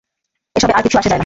এসবে আর কিচ্ছু যায় আসে না।